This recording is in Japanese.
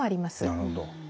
なるほど。